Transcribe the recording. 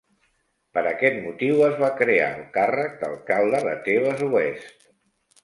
Per aquest motiu es va crear el càrrec d'Alcalde de Tebes Oest.